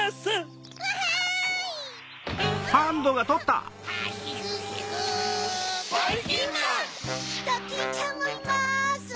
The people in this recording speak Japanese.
ドキンちゃんもいます。